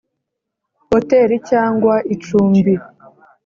Hoteli cyangwa icumbi